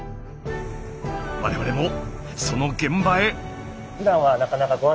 我々もその現場へ。